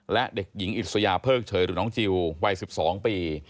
และเด็กหญิงอิสยาเพิกเฉยหรือน้องจิลวัย๑๒ปี